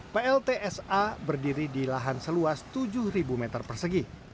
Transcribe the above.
pltsa berdiri di lahan seluas tujuh meter persegi